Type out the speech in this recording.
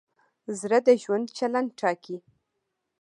زړه د ژوند چلند ټاکي.